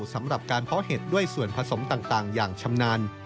สำหรับการเพาะเห็ดด้วยส่วนผสมต่างอย่างชำนาญ